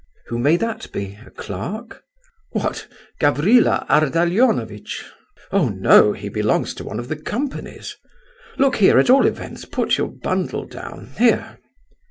"Who may that be? a clerk?" "What? Gavrila Ardalionovitch? Oh no; he belongs to one of the companies. Look here, at all events put your bundle down, here."